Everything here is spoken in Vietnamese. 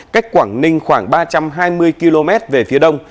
cách quảng ninh khoảng ba trăm hai mươi km về phía đông